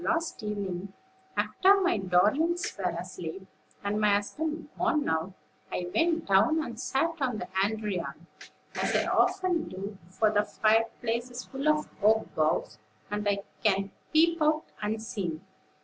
Last evening, after my darlings were asleep, and my husband gone out, I went down and sat on the andiron, as I often do; for the fireplace is full of oak boughs, and I can peep out unseen.